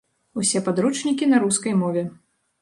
Усе падручнікі на рускай мове.